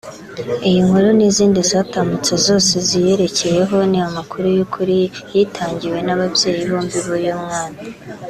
Iyi nkuru n’izindi zatambutse zose ziyerekeyeho ni amakuru y’ukuri yitangiwe n’ababyeyi bombi b’uyu mwana